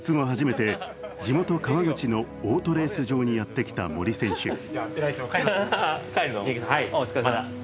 初めて地元・川口のオートレース場にやってきた森選手。